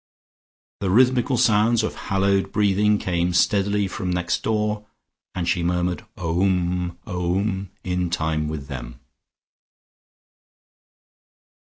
The rhythmical sounds of hallowed breathing came steadily from next door, and she murmured "Om, Om," in time with them.